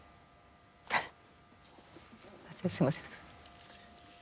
フッすいません。